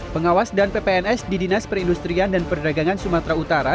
pengawas dan ppns di dinas perindustrian dan perdagangan sumatera utara